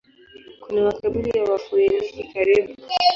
Kuna makaburi ya Wafoeniki karibu.